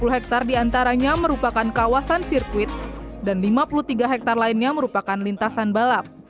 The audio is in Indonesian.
satu ratus tiga puluh hektare diantaranya merupakan kawasan sirkuit dan lima puluh tiga hektare lainnya merupakan lintasan balap